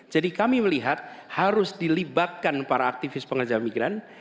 jadi kami melihat harus dilibatkan para aktivis pekerja migran